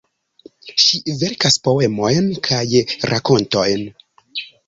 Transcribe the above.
Ŝi verkas poemojn kaj rakontojn.